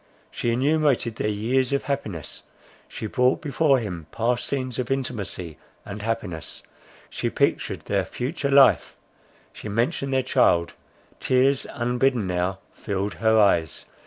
She enumerated their years of happiness; she brought before him past scenes of intimacy and happiness; she pictured their future life, she mentioned their child—tears unbidden now filled her eyes.